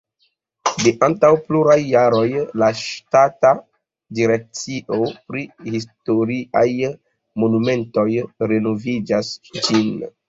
De antaŭ pluraj jaroj la ŝtata direkcio pri historiaj monumentoj renovigas ĝin.